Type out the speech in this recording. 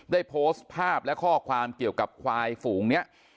ได้โพสต์ภาพและข้อความเกี่ยวกับควายฝูงนี้